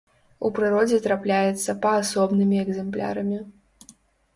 У прыродзе трапляецца паасобнымі экзэмплярамі.